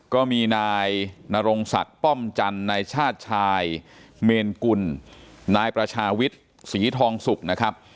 ก็มีนายนรงสัตว์ป้อมจันทร์ในชาวชายเมนกุลนายประชาวิชสีทองสุพพ์